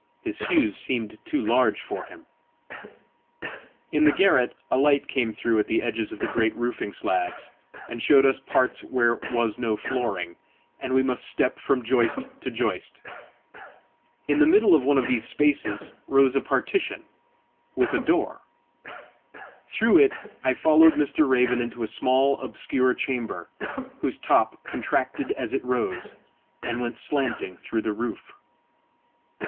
His shoes seemed too large for him. In the garret a light came through at the edges of the great roofing slabs, and showed us parts where was no flooring, and we must step from joist to joist: in the middle of one of these spaces rose a partition, with a door: through it I followed Mr. Raven into a small, obscure chamber, whose top contracted as it rose, and went slanting through the roof.